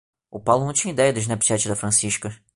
O Paulo não tinha ideia do Snapchat da Francisca